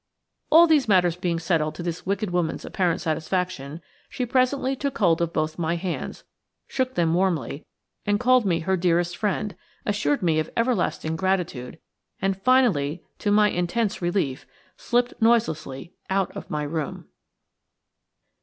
All these matters being settled to this wicked woman's apparent satisfaction, she presently took hold of both my hands, shook them warmly, and called me her dearest friend; assured me of everlasting gratitude, and finally, to my intense relief, slipped noiselessly out of my room.